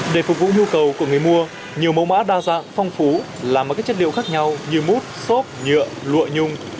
để phục vụ nhu cầu của người mua nhiều mẫu mã đa dạng phong phú làm mấy các chất liệu khác nhau như mút xốp nhựa lụa nhung